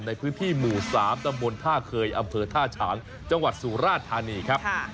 ในพื้นที่หมู่๓ตำบลท่าเคยอำเภอท่าฉางจังหวัดสุราธานีครับ